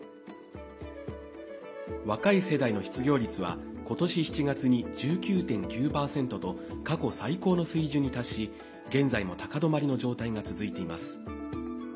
若い世代の失業率は今年７月に１９．９％と過去最高の水準に達し、現在も高止まりの状態が続いています。